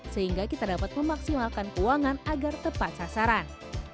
sehingga kita dapat memaksimalkan keuangan agar tepat sasaran